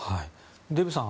デーブさん